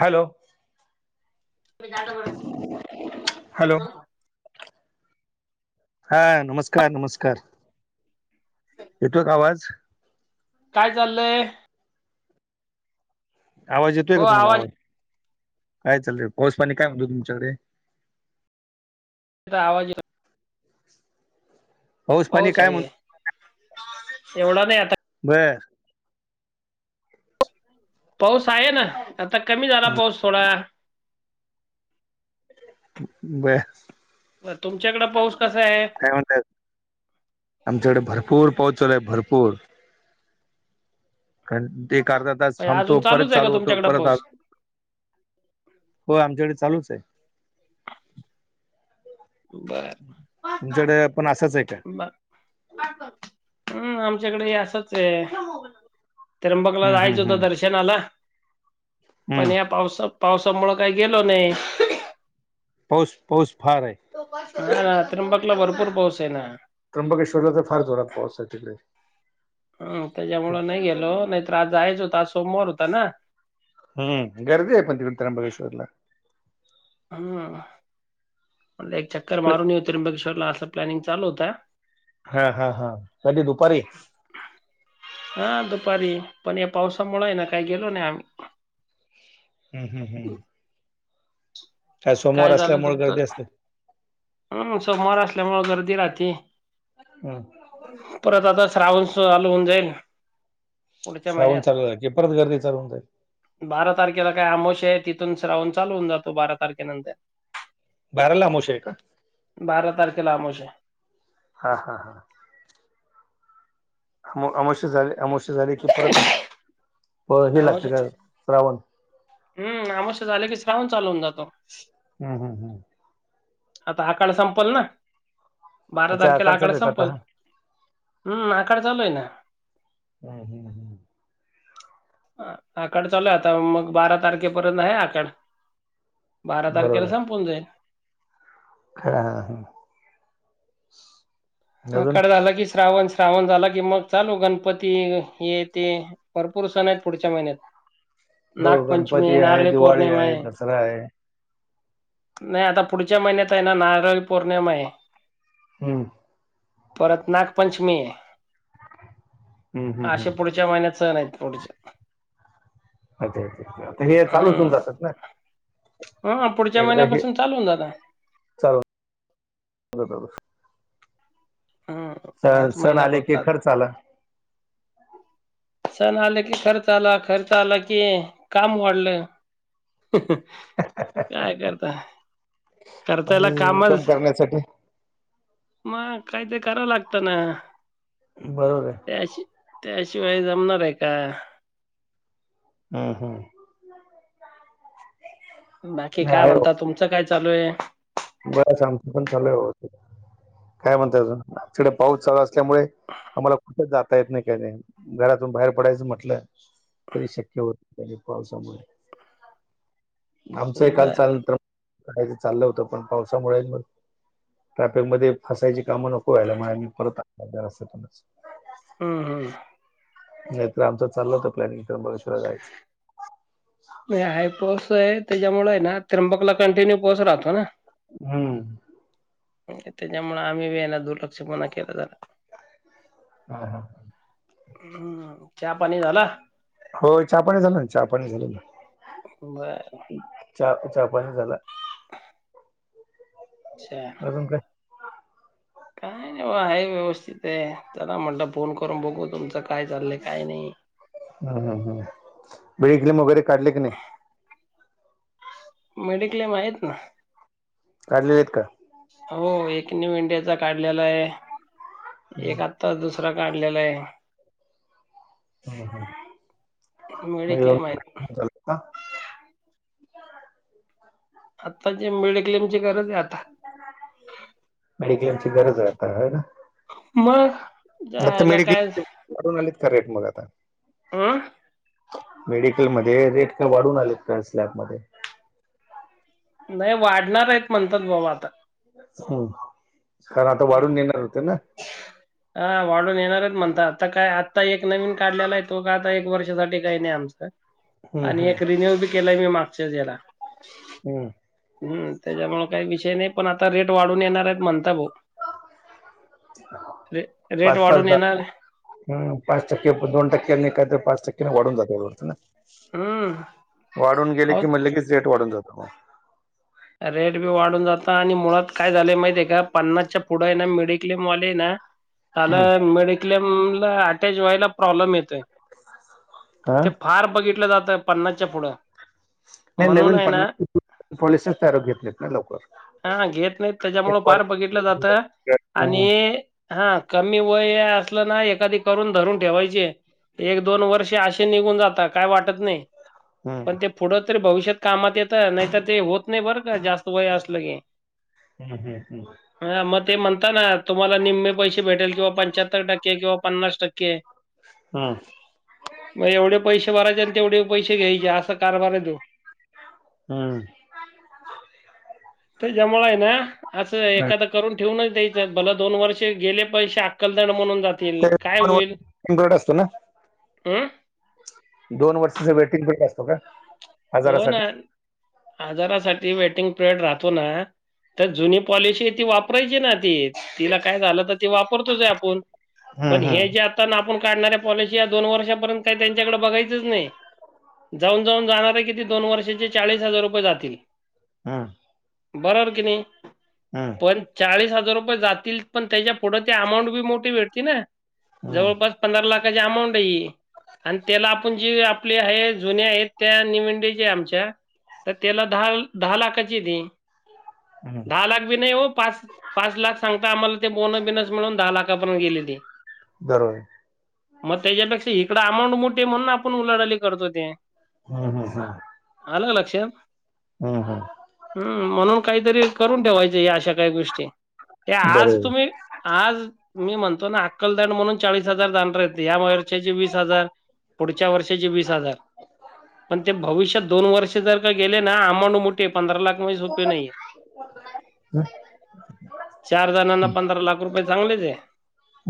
Hello. [inaudible] Hello. जाऊन. हा नमस्कार नमस्कार, येतोय का आवाज? काय चाललंय? आवाज येतोय का तुम्हाला आवाज, काय चाललंय, पाऊस पाणी काय म्हणतो तुमच्याकडे? तुझा आवाज येईना. [inaudible] पाणी पाऊस काय आहे, म्हण एवढा नाही आता बर. पाऊस आहे ना, आता कमी झाला पाऊस थोडा. बर. बर तुमच्याकडं पाऊस कसा आहे? म्हणजे का म्हणतायत, आमच्याकडे भरपूर पाऊस चालू हाय भरपूर. कारण ते एक अर्धा तास अजून थांबतो, परत चालूच आहे का चालू होतो. तुमच्याकडे परत आर पाऊस हो आमच्याकडे चालूच आहे. [inaudible] बर तुमच्याकडे पण असाच आहे का [unintelligible] हम्म आमच्याकडेही असंच आहे. त्र्यंबकला हम्म जायचं हम्म होतं हम्म दर्शनाला, पण हम्म या पावसात पावसामुळं काही गेलो नाही. पाऊस पाऊस फार आहे. हा त्र्यंबकला भरपूर पाऊस आहे ना. त्र्यंबकेश्वरला तर फार जोरात पाऊस आहे तिकडे. हम त्याच्यामुळं नाही गेलो नाहीतर आज जायच होत आज सोमवार होता ना. हम् गर्दी आहे पण तिथं त्र्यंबकेश्वरला. हम्म म्हटल एक चक्कर तिकडे मारून येऊ त्र्यंबकेश्वरला असं प्लॅनिंग चालू होता. हा हा हा कधी दुपारी हा दुपारी पण या पावसामुळे आहे ना काय गेलो नाही आम्ही. हम् हंम आज सोमवार असल्यामुळे गर्दी असते. हम् सोमवार असल्यामुळे गर्दी राहते. हा. परत आता श्रावण चालू होऊन जाईल. पुढच्या श्रावण महिन्यात चालू झाला की परत गर्दी चालू होऊन जाईल. बारा तारखेला काय आमोशा आहे तिथून श्रावण चालू होवून जातो बारा तारखेनंतर. बाराला अमावस्या आहे का? बारा तारखेला आमोशा आहे. हा हा हा. अमावश्य झाले अमावश्य झाले की परत आहे. हे लागते अमावस्या का श्रावण. हम्म आमोशा झाले की श्रावण चालू होऊन जातो. हम् हम् हा आता आखाड संपल ना बारा अच्छा तारखेला आकार आखाड चालू आहे का आता संपल. हम् आखाड चालू हेना. हम्म हम्म हम्. आखाड चालू आहे आता मग बारा तारखेपर्यंत आहे आखाड. बारा तारखेला बरोबर संपवून जाईल. हा हा हा. अजून आखाड झाला की श्रावण श्रावण झाला की मग चालू गणपती हे ते भरपूर सण आहेत पुढच्या महिन्यात. हो नागपंचमी ये गणपती आहे नारळी दिवाळी पौर्णिमा आहे दसरा आहे नाही आता पुढच्या महिन्यात आहे ना नारळी पौर्णिमा आहे. हम् परत नागपंचमी आहे हम्म हम्म अशे हम्म पुढ पुढच्या महिन्यात सण आहेत पुढच्या अच्छा अच्छा हे चालूच होऊन जातात ना. ह पुढच्या महिन्यापासून चालूू होऊन दादा चाल [unintelligible] हम्म. हाच सण महिना आले कि फक्त आता खर्च आला. सण आलं की खर्च आला खर्च आला की काम वाढलं. काय करता करताल इन्कम कामच करण्यासाठी मगकाय ते करावं लागत ना. बरोबर त्याशी त्याशिवाय जमणार आहे का? हम हम बाकी नाही काय म्हणताात तुमचं काय चालू आहे. बरंच आमचा पण चालू हाय बघा की, काय म्हणता अजून? आमच्याकडे पाऊस चालू अस त्यामुळे आम्हाला कुठंच जाता येत नाही काही नाही. घरातून बाहेर पडायचं म्हटलं तरी शक्य होत नाही पावसामुळे. आमचं हे बर काल चाललं होतं, करायचं चाललं होतं. पण पावसामुळे ट्रॅफिक मध्ये फसायची कामं नको व्हायला म्हणून आम्ही परत अर्ध्या रस्त्यातूनच. हम्म. नाहीतर आमचं चाललं होतं प्लॅनिंग त्रंबकेश्वरला जायचं. नाय हाय पाऊस आहे, त्याच्यामुळे हाय ना त्र्यंबकला कंटिन्यू पाऊस राहतो ना. हम्म. त्याच्यामुळे आम्हीबी याला दुर्लक्षपणा केलं जरा. [unintelligible] चहापाणी झाला? होय चहापाणी झालं ना, चहा पाणी झालं. बर. चा चहा पाणी झालं. अच्छा. अजून काय? काय नाही बघा आहे व्यवस्थित आहे, चला म्हटलं फोन करून बघू तुमचं काय चाललंय काय नाही. हा हा हा हा हा, मेडिक्लीन वगैरे काढलं का नाही? मेडिक्लेम आहेत ना. काढलेले आहेत का? हो एक नीव इंडियाचा काढलेला आहे, हम्म एक आ ता दुसरा काढलेला आहे बघा. मेडिक्लेम आहेत. [unintelligible] आताची मिडक्लेमची गरज आहे आता. मेडिक्लेमची गरज हाय आता हाय ना? मग आता जायला काय मेडिक्लेम वाढून आलीत का रेट मग आता? अं. मेडिकलमध्ये काय रेट काय वाढून आलेत का स्लॅबमध्ये? नाही वाढणार आहेत म्हणतात बाबा आता. हम्म कारण आता वाढून येणार होते ना. हा वाढून येणारच म्हणतात, आता काय आत्ता एक नवीन काढलेला आहे तो का आता एक वर्षासाठी काही नाही आमचं. हम्म, आणि हम्म, एक रिन्यूबी केलंय मी मागच्याच याला. हम्म. हम्म त्याच्यामुळे काही विषय नाही, पण आता रेट वाढून येणार आहेत म्हणता भाऊ. रे रेट पाच वाढून पाचदा येणार हं पाच टक्के दोन टक्क्यांनी काहीतरी पाच टक्क्यांनी वाढून जातंय वाटतं ना. हम्म वाढून गेले अहो की म्हणलं की रेट वाढून जातो मग. रेटबी वाढून जातं आणि मुळात काय झालंय माहिती आहे का. पन्नासच्या पुढं आहे ना मेडिक्लेम वाले ना, हम्म. [unintelligible] क्लेमला अटॅच व्हायला प्रॉब्लेम येतोय. हा ते फार बघितलं जातंय पन्नासच्या पुढं. नाही म्हणून नवीन आहे ना [unintelligible] लवकर. हां घेत नाही त्याच्यामुळं फार बघितलं जातं हम्म, आणि हां कमी वय असलं ना, एखादी करून धरून ठेवायची. एक दोन वर्षे असे निघून जाता काय वाटत नाही हम्म, पण ते पुढं तरी भविष्यात कामात येतं नाहीतर ते होत नाही बरं का जास्त वय असलं की हम्म हम्म हम् हा मग ते म्हणता ना तुम्हाला निमे पैसे भेटेल किंवा पंचाहत्तर टक्के किंवा पन्नास टक्के हा मग एवढे पैसे भरायचे आणि तेवढे पैसे घ्यायचे असा कारभार आहे तोय हा त्याच्यामुळे आहे ना असं एखादं करून ठेवूनच द्यायचं भल दोन वर्ष गेले पैसे अकलदड म्हणून जातील ते काय होईल दोन वर्ष असतो ना ह दोन वर्षाचा वेटिंग [unintelligible] असतो का हो ना आजारासाठी आजारासाठी वेटिंग पिरियड राहतो ना तर जुनी पॉलिशी ती वापरायची ना ती तिला काय झालं तर ती वापरतोयच हाय आपून हम्म पण हे हम्म जे आता आपूण काढणाऱ्या पॉलिसी या दोन वर्षापर्यंत काही त्यांच्याकडे बघायचंच नाही जाऊन जाऊन जाणार हाय किती दोन वर्षाचे चाळीस हजार रुपये जातील हा बरोबर कि नी हम पण चाळीस हजार रुपये जातील पण त्याच्या पुढे ते अमाऊंट बी मोठी भेटती ना हम्म हम्म जवळपास पंधरा लाखाची अमाऊंट हाय ही आणि त्याला आपण जी आपले आहे जुने आहेत त्या नि [unintelligible] आमच्या तर त्याला धा धा लाखाची हाय ती हम्म. धा लाख भी नाही हो पाच पाच लाख सांगता आम्हाला ते बोन बिनस मिळून धा लाखापर्यंत गेली ती [unintelligible] मग त्याच्यापेक्षा इकडं अमाऊंट मोठी हाय म्हणून आपण उलाडाली करतोय ती हम हम आल लक्षात हं हं हम्म म्हणून काहीतरी करून ठेवायचं या अशा काही गोष्टी हे बरोबर आज तुम्ही आज मी म्हणतो ना अक्कलदांड म्हणून चाळीस हजार जाणार हाईत या वर्षाचे वीस हजार पुढच्या वर्षीचे वीस हजार पण ते भविष्यात दोन वर्ष जर का गेले ना अमाऊंड मोठी आय पंधरा लाख म्हणजे सोपी नाहीयाय [inaudible] चार जणांना पंधरा लाख रुपये चांगलेच हाय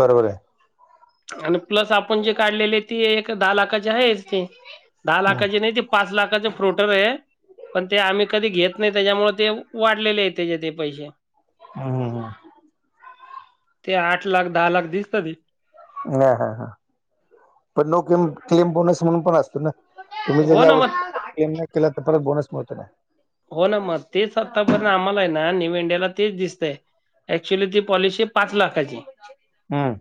बरोबर हाय आणि प्लस आपण जे काढलेले ती एक दहा लाखाची आहे ते दहा लाख हम्म [unintelligible] नाही ते पाच लाखाच फ्रोटर हे पण ते आम्ही कधी घेत नाही त्याच्यामुळे ते वाढलेले आहे त्याचे ते पैसे हम् हम हम ते आठ लाख दहा लाख दिसत ते हा हा पण नो क्ले क्लेम बोनस पण असतो ना तुम्ही जर हो या ना मग. वर्षी क्लेम नाय केला तर परत बोनस मिळतो का हो ना मग तेच आतापर्यंत आम्हाला हाय ना न्यू इंडियाला तेच दिसतंय ऍक्च्युअली ती पॉलिसी पाच लाखाची हम्म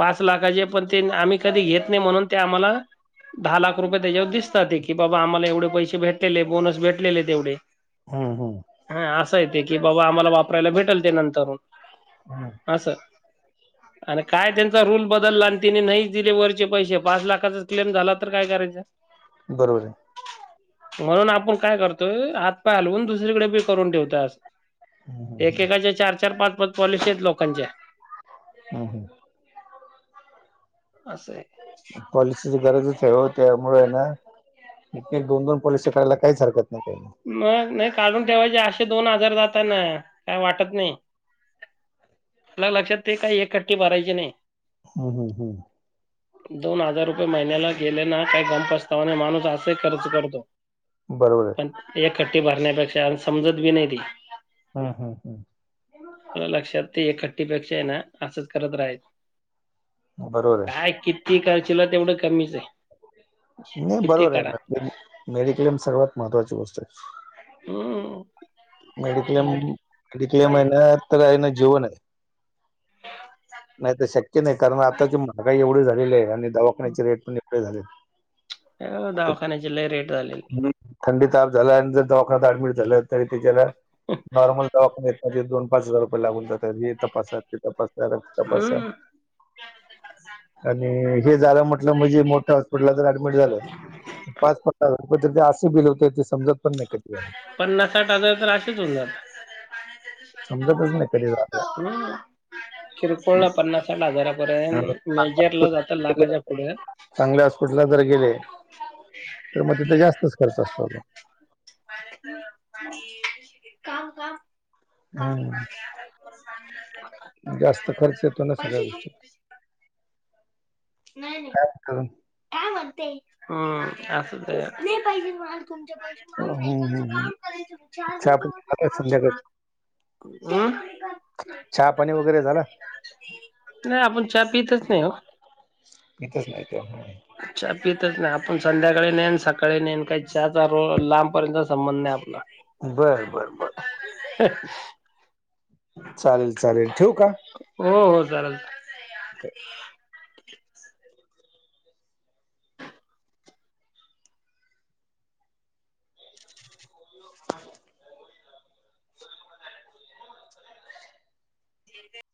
पाच लाखाचे पण ते आम्ही कधी घेत नाही म्हणून ते आम्हाला दहा लाख रुपये त्याच्यावर दिसतात ते की बाबा आम्हाला एवढे पैसे भेटलेले, बोनस भेटले आहेत एवढे. हम्म हम्म. हा असं आहे ते की बाबा आम्हाला वापरायला भेटेल ते नंतरून हम्म असं. [inaudible] आणि काय त्यांचा रूल बदलला आणि तिने नाहीच दिले वरचे पैसे पाच लाखाचा क्लेम झाला तर काय करायचं? बरोबर. आहे म्हणून आपण काय करतोय आ पालुन दुसरीकडे बी करून ठेवता अस हम्म हम्म एकेकाच्या चार चार पाच पाच पॉलिसी आहेत लोकांच्या. हम्म हम्म. असं आहे. पॉलिसीची गरजच आहे ओ. त्यामुळे आहे ना एक दोन दोन पॉलिसी करायला काहीच हरकत नाही काही नाही. मग नाही काढून ठेवायचे असे दोन हजार जाता ना काय वाटत नाही. आपल्या लक्षात काही एखट्टी भरायचे नाही. हम्म हम्म हम्म. दोन हजार रुपये महिन्याला गेले ना काय गम पस्तावा नाही माणूस असंही खर्च करतो. बरोबर आहे. एखट्टी भरण्यापेक्षा आणि समजत बी नाही ती. हा हा हम्म. लक्षात ते एखट्टीपेक्षा आहे ना असंच करत राहायचं. बरोबर आहे. काय किती करशीला तेवढं कमीच आहे. नाही किती बरोबर आहे करा ना ते मेडिक्लेम सर्वात महत्त्वाची गोष्ट आहे. हम्म. मेडिक्लेम मेडिक्लेम आहे ना तर ना जीवन आहे. नाही ते शक्य नाही, कारण आताची महागाई एवढी झालेली आहे आणि दवाखान्याचे रेट पण एवढे झालेत. हो दवाखाण्याचे लय रेट झालेले आहे. थंडी ताप झाला आणि जर दवाखान्यात ऍडमिट झालं तरी ते त्याला नॉर्मल दवाखान्यात लगेच दोन पाच हजार रुपये लागून जातात. हे तपासा ते तपासा रक्त तपासा. हम्म. आणि हे झालं म्हटलं म्हणजे मोठ्या हॉस्पिटलला जर ऍडमिट झालं पाच पन्नास हजार [unintelligible] ते असं बिल होतंय ते समजतही नाही कधी झालं. पन्नास साठ हजार तर असेच होऊन जातात. समजतच नाही कधी झालं. हम्म. किरकोळला पन्नासा साठ हजारापर्यंत, मेजरला जातं आणि लाखाच्या पुढं. चांगल्या हॉस्पिटलला जर गेले, तर मग तिथं जास्तच खर्च असतो तो. काम काम हा, हम्म जास्त खर्च येतो ना सगळ्या पैसे देऊ? गोष्टी काय करू? काय म्हणते? हं असं पाहिजे, नाय पाहिजे मला तुमचे पैसे. हम्म हम्म हम्म. चहा पाणी झालं संध्याकाळ [unintelligible] अं? चहा पाणी वगैरे झालं? नाही आपण चहा पितच नाही ओ. पीतच नाही तो चहा पितात नाही आपण संध्याकाळी नेन सकाळी नेन काही चहा चा लांबपर्यंतचा संबंध नाही आपला. बरं बरं बर. [unintelligible] चालेल चालेल ठेवु का? हो हो चालेल. ओके [unintelligible] ते [unintelligible]